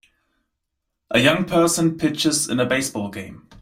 A young person pitches in a baseball game